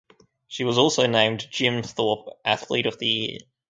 She was also named Jim Thorpe Athlete of the Year.